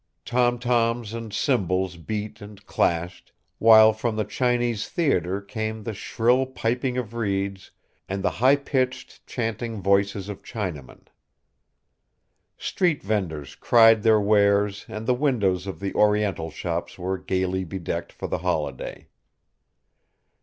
Tom toms and cymbals beat and clashed, while from the Chinese theater came the shrill piping of reeds and the high pitched chanting voices of Chinamen. Street venders cried their wares and the windows of the Oriental shops were gaily bedecked for the holiday.